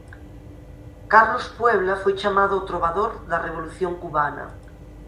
Carlos Puebla foi chamado o "trobador da revolución cubana".